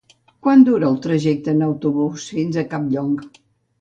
Quant dura el trajecte en autobús fins a Campllong?